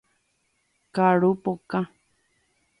Karu pokã.